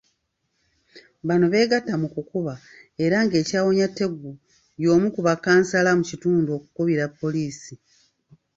Bano beegatta mu kukuba era ng'ekyawonya Tegu y'omu ku bakansala mu kitundu okukubira poliisi.